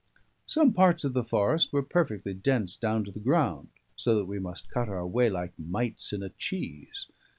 Some parts of the forest were perfectly dense down to the ground, so that we must cut our way like mites in a cheese.